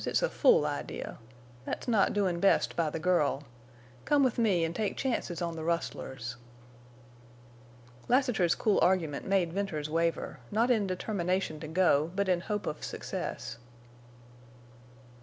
It's a fool idea. That's not doin' best by the girl. Come with me en' take chances on the rustlers." Lassiter's cool argument made Venters waver, not in determination to go, but in hope of success.